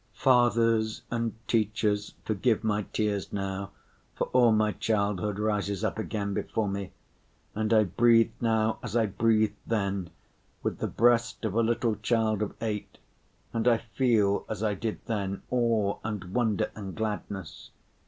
Fathers and teachers, forgive my tears now, for all my childhood rises up again before me, and I breathe now as I breathed then, with the breast of a little child of eight, and I feel as I did then, awe and wonder and gladness.